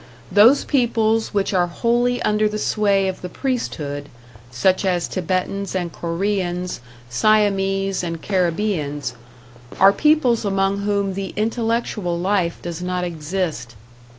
Those peoples which are wholly under the sway of the priesthood, such as Thibetans and Koreans, Siamese and Caribbeans, are peoples among whom the intellectual life does not exist.